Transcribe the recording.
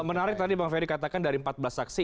menarik tadi bang ferry katakan dari empat belas saksi